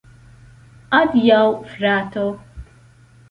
Adiaŭ, frato.